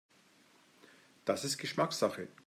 Das ist Geschmackssache.